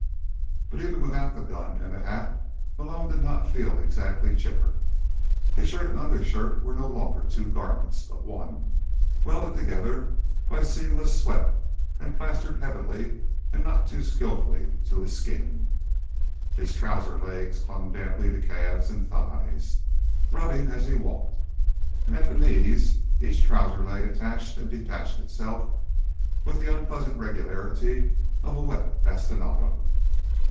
But even without the gun and the hat, Malone did not feel exactly chipper. His shirt and undershirt were no longer two garments, but one, welded together by seamless sweat and plastered heavily and not too skillfully to his skin. His trouser legs clung damply to calves and thighs, rubbing as he walked, and at the knees each trouser leg attached and detached itself with the unpleasant regularity of a wet bastinado.